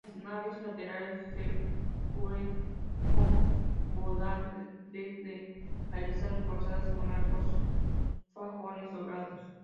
Las naves laterales se cubren con bóvedas de arista, reforzadas con arcos fajones doblados.